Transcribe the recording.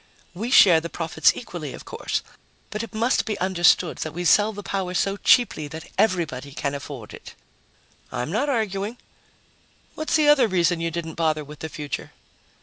"We share the profits equally, of course. But it must be understood that we sell the power so cheaply that everybody can afford it." "I'm not arguing. What's the other reason you didn't bother with the future?"